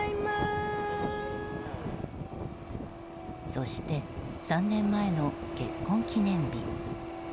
そして３年前の結婚記念日。